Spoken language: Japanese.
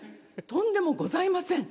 とんでもございません。